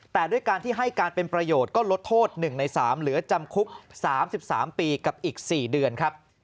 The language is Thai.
แต่ด้วยการที่ให้การเป็นประโยชน์ก็ลดโทษ๑ใน๓เหลือจำคุก๓๓ปีกับอีก๔เดือนครับ